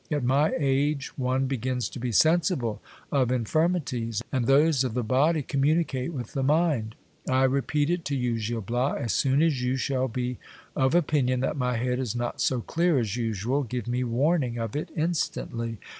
At my age one begins to be sensible of infirmities, and those of the body communicate with the mind. I repeat it to you, Gil Bias, as soon as you shall be of opinion that my head is not so clear as usual, give me warning of it instantly.